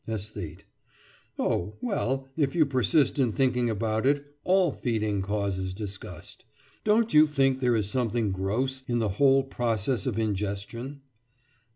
ÆSTHETE: Oh, well, if you persist in thinking about it, all feeding causes disgust. Don't you think there is something gross in the whole process of ingestion?